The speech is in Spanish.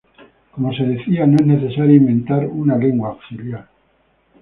Como se decía "No es necesario inventar una lengua auxiliar.